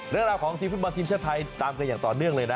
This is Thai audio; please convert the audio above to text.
เรื่องราวของทีมฟุตบอลทีมชาติไทยตามกันอย่างต่อเนื่องเลยนะ